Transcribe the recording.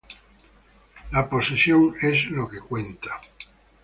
La posesion es lo que cuenta.